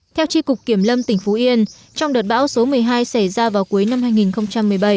theo tri cục kiểm lâm tỉnh phú yên trong đợt bão số một mươi hai xảy ra vào cuối năm hai nghìn một mươi bảy